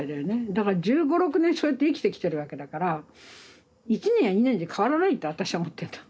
だから１５１６年そうやって生きてきてるわけだから１年や２年じゃ変わらないって私は思ってんだ。